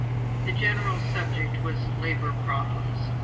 The general subject was Labor Problems.